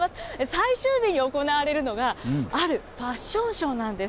最終日に行われるのが、あるファッションショーなんです。